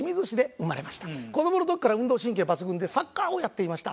子どもの時から運動神経抜群でサッカーをやっていました。